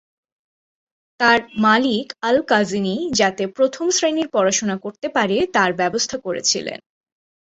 তাঁর মালিক আল-কাজিনী যাতে প্রথম শ্রেণির পড়াশোনা করতে পারে তার ব্যবস্থা করেছিলেন।